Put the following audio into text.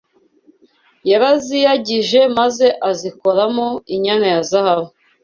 yaraziyagije maze azikoramo inyana ya zahabu